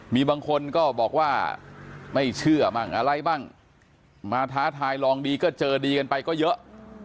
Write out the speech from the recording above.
มีบางคนก็บอกว่าไม่เชื่อมั่งอะไรบ้างมาท้าทายลองดีก็เจอดีกันไปก็เยอะ